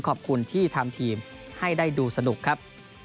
ขอบคุณที่ทำทีมให้ได้ดูสนุกครับ